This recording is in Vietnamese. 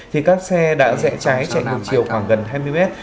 thì các xe đã dẹ trái chạy ngược chiều khoảng gần hai mươi mét